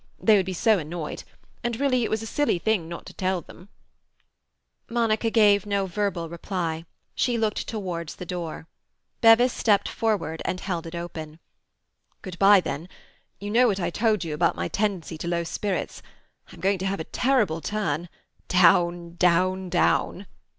They would be so annoyed—and really it was a silly thing not to tell them—" Monica gave no verbal reply. She looked towards the door. Bevis stepped forward, and held it open. "Good bye, then. You know what I told you about my tendency to low spirits. I'm going to have a terrible turn—down, down, down!"